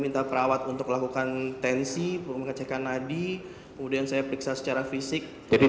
minta perawat untuk lakukan tensi mengecekkan nadi kemudian saya periksa secara fisik jadi